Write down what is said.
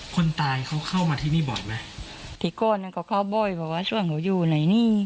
คนตายเขาเข้ามาที่นี่บ่อยไหมที่โกนก็เข้าบ่อยเพราะว่าส่วนเขาอยู่ในนี่